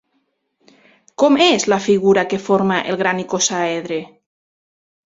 Com és la figura que forma el gran icosàedre?